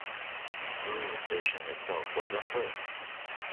Looe station itself was unbuilt.